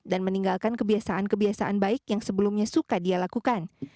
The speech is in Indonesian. dan menyebabkan kebiasaan kebiasaan baik yang sebelumnya suka dia lakukan